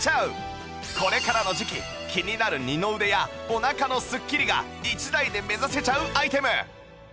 これからの時期気になる二の腕やお腹のすっきりが１台で目指せちゃうアイテム